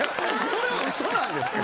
それは嘘なんですか？